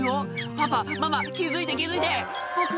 パパママ気付いて気付いてボク